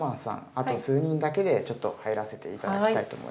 あと数人だけでちょっと入らせて頂きたいと思います。